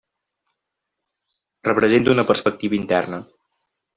Representa una perspectiva interna.